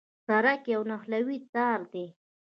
سړک یو نښلوی تار دی.